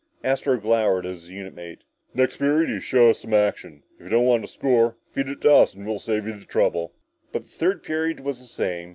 Astro glowered at his unit mate. "Next period you show us some action! If you don't want to score, feed it to us and we'll save you the trouble!" But the third period was the same.